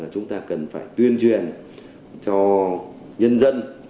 chúng ta cần phải tuyên truyền cho nhân dân